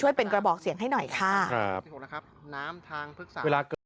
เป็นกระบอกเสียงให้หน่อยค่ะครับน้ำทางพฤกษาเวลาเกิด